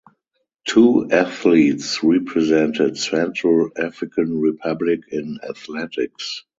Two athletes represented Central African Republic in athletics.